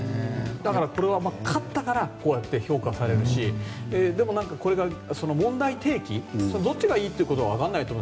だから、これは勝ったからこうやって評価されるしでも、これが問題提起どっちがいいとかはわからないと思う。